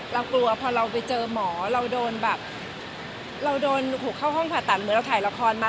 เรากลัวพอเราไปเจอหมอเราโดนแบบเราโดนหูเข้าห้องผ่าตัดเหมือนเราถ่ายละครมา